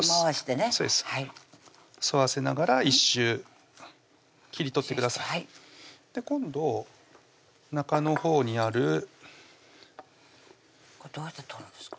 そうです沿わせながら１周切り取ってください今度中のほうにあるこれどうやって取るんですか？